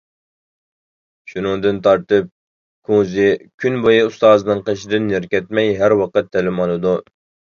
شۇنىڭدىن تارتىپ، كۇڭزى كۈن بويى ئۇستازىنىڭ قېشىدىن نېرى كەتمەي ھەر ۋاقىت تەلىم ئالىدۇ.